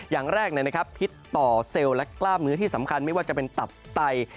อย่างแรกพิษต่อเซลล์และกล้ามเนื้อที่สำคัญไม่ว่าจะเป็นตับไต